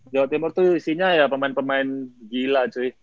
jawa timur tuh isinya ya pemain pemain gila cuy